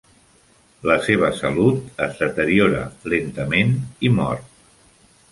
La seva salut es deteriora lentament i mor.